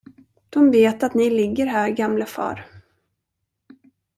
De vet, att ni ligger här, gamlefar.